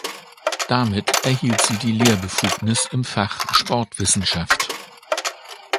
Damit erhielt sie die Lehrbefugnis im Fach Sportwissenschaft.